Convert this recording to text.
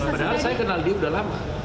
padahal saya kenal dia udah lama